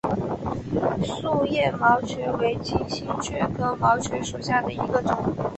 坚叶毛蕨为金星蕨科毛蕨属下的一个种。